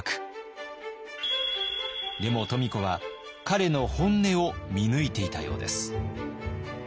でも富子は彼の本音を見抜いていたようです。